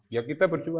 ya kita berdua